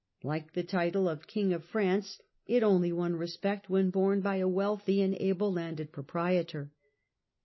Like the title of King of France, it only won respect when borne by a wealthy and able landed proprietor.